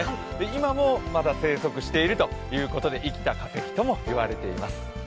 今もまだ生息しているということで生きた化石とも言われています。